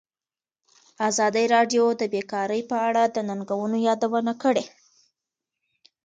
ازادي راډیو د بیکاري په اړه د ننګونو یادونه کړې.